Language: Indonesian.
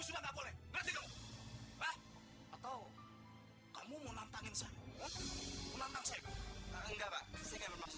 sudah enggak boleh berhenti lho atau kamu menantangin saya menantang saya enggak enggak